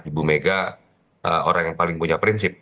ibu mega orang yang paling punya prinsip